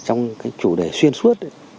trong cái chủ đề xuyên suốt